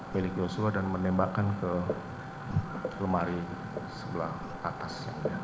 melihat yosua dan menembakkan ke lemari sebelah atas